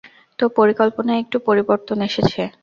তো, পরিকল্পনায় একটু পরিবর্তন এসেছে।